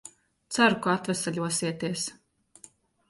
Ceru, ka atveseļosieties.